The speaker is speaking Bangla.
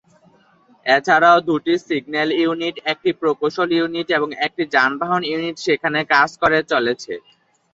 এছাড়াও দুটি সিগন্যাল ইউনিট, একটি প্রকৌশল ইউনিট এবং একটি যানবাহন ইউনিট সেখানে কাজ করে চলেছে।